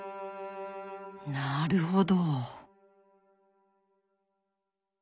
なるほど。